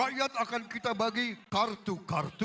rakyat akan kita bagi kartu kartu